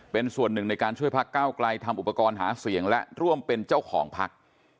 เป็นส่วนหนึ่งในการช่วยพักเก้าไกลทำอุปกรณ์หาเสียงและร่วมเป็นเจ้าของพัก